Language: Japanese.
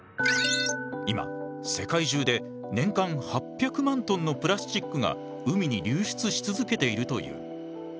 今世界中で年間８００万トンのプラスチックが海に流出し続けているという。